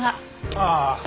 ああ。